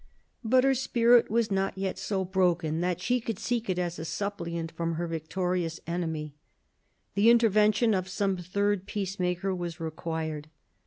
But her spirit was not yet so broken that she could seek it as a suppliant from her victorious enemy. The intervention of some third peacemaker was required.